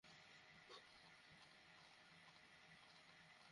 শিশুটিকে বর্তমানে দুধ, ফলের রসসহ তরল খাবার দেওয়া হচ্ছে বলে জানালেন কর্মকর্তারা।